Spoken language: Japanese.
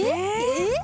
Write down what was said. えっ？